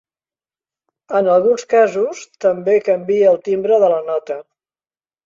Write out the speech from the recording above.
En alguns casos també canvia el timbre de la nota.